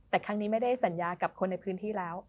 แต่ครั้งนี้ไม่ได้สัญญากับคนในพื้นที่แล้ว